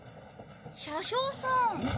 車掌さん。